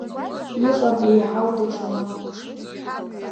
Иҟам еиҳау даҽа малк.